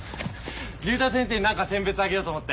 竜太先生に何かせんべつあげようと思って。